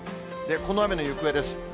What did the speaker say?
この雨の行方です。